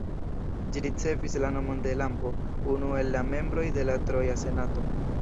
Ĝi ricevis la nomon de Lampo, unu el la membroj de la troja senato.